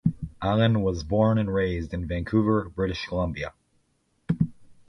Allen was born and raised in Vancouver, British Columbia.